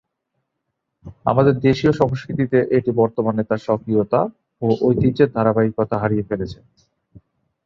আমাদের দেশীয় সংস্কৃতিতে এটি বর্তমানে তার স্বকীয়তা ও ঐতিহ্যের ধারাবাহিকতা হারিয়ে ফেলেছে।